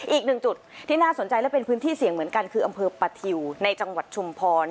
อีกหนึ่งจุดที่น่าสนใจและเป็นพื้นที่เสี่ยงเหมือนกันคืออำเภอปะทิวในจังหวัดชุมพร